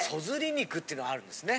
肉っていうのがあるんですね。